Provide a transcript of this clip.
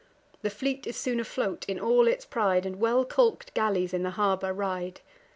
The fleet is soon afloat, in all its pride, And well calk'd galleys in the harbour ride.